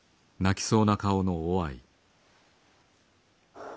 はあ。